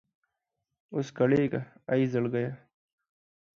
اوس کړېږه اې زړګيه!